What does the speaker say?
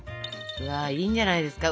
いいんじゃないですか。